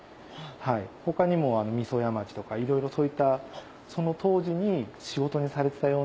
他にも味屋町とかいろいろそういったその当時に仕事にされてたような。